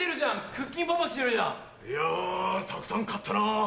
いやたくさん買ったな。